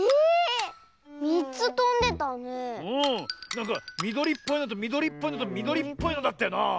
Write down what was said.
なんかみどりっぽいのとみどりっぽいのとみどりっぽいのだったよなあ。